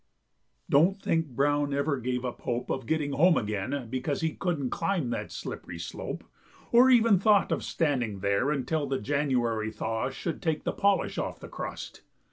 Don't think Brown ever gave up hope Of getting home again because He couldn't climb that slippery slope; Or even thought of standing there Until the January thaw Should take the polish off the crust.